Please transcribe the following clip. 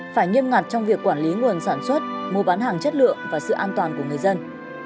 phải nghiêm ngặt trong việc quản lý nguồn sản xuất mua bán hàng chất lượng và sự an toàn của người dân